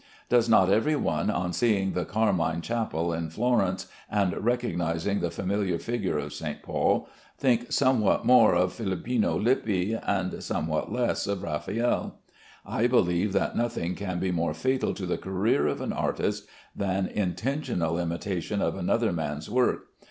Does not every one, on seeing the Carmine Chapel at Florence, and recognizing the familiar figure of St. Paul, think somewhat more of Philippino Lippi and somewhat less of Raffaelle? I believe that nothing can be more fatal to the career of an artist than intentional imitation of another man's work.